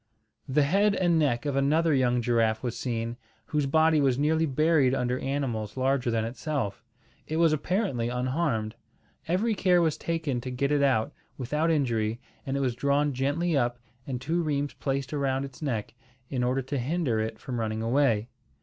The head and neck of another young giraffe was seen, whose body was nearly buried under animals larger than itself. It was apparently unharmed. Every care was taken to get it out without injury, and it was drawn gently up and two rheims placed around its neck, in order to hinder it from running away.